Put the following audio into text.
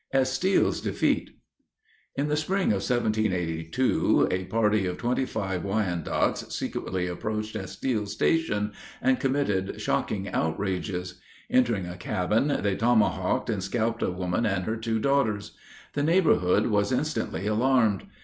ESTILL'S DEFEAT. In the spring of 1782, a party of twenty five Wyandots secretly approached Estill's station, and committed shocking outrages. Entering a cabin, they tomahawked and scalped a woman and her two daughters. The neighborhood was instantly alarmed.